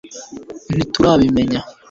ntiturabimenya